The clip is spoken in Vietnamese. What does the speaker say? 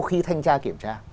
khi thanh tra kiểm tra